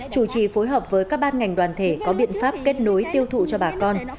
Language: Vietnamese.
chủ trì phối hợp với các ban ngành đoàn thể có biện pháp kết nối tiêu thụ cho bà con